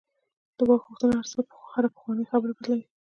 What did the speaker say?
د واک غوښتنه هره پخوانۍ خبره بدلوي.